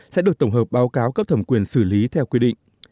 sẽ được tổng hợp báo cáo cấp thẩm quyền xử lý theo quy định